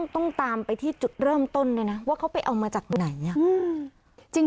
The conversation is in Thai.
ต้องตามไปที่จุดเริ่มต้นด้วยนะว่าเขาไปเอามาจากไหน